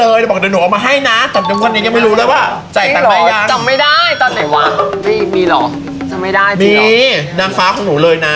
เขาบอกใหม่ใหม่ให้นะใจมาไม่ได้